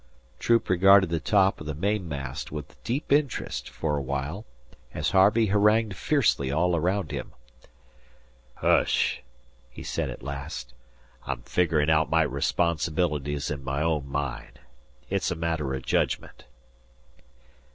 Troop regarded the top of the mainmast with deep interest for a while, as Harvey harangued fiercely all around him. "Hsh!" he said at last. "I'm figurin' out my responsibilities in my own mind. It's a matter o' jedgment."